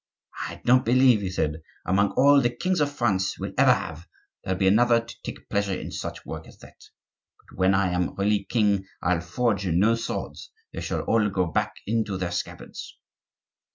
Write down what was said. "I don't believe," he said, "among all the kings that France will ever have, there'll be another to take pleasure in such work as that. But when I am really king, I'll forge no swords; they shall all go back into their scabbards."